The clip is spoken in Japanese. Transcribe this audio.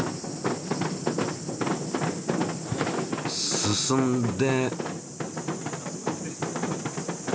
進んで。